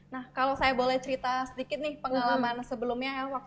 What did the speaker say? nah kalau saya boleh cerita sedikit nih pengalaman sebelumnya ya waktu pcpm tiga puluh enam